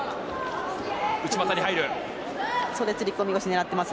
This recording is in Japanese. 内股に入る。